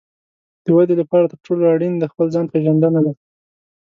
د ودې لپاره تر ټولو اړین د خپل ځان پېژندنه ده.